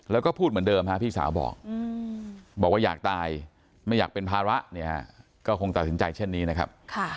แล้วก็พูดเหมือนเดิมฮะพี่สาวบอกบอกว่าอยากตายไม่อยากเป็นภาระเนี่ยก็คงตัดสินใจเช่นนี้นะครับ